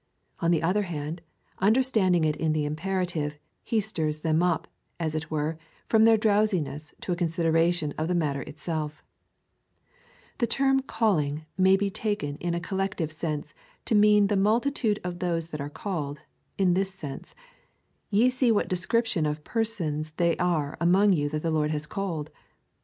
On the other hand, understanding it in the imperative, he stirs them up, as it were, from their drowsiness to a consideration of the matter itself The term calling may be taken in a collective sense to mean the multitude of those that are called — in this sense :" Ye see what description of persons they are among you that the Lord has called."'